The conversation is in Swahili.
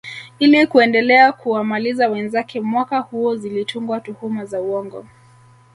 Ili kuendelea kuwamaliza wenzake mwaka huo zilitungwa tuhuma za uongo